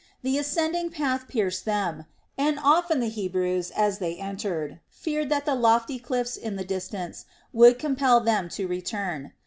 The ascending path pierced them; and often the Hebrews, as they entered, feared that the lofty cliffs in the distance would compel them to return.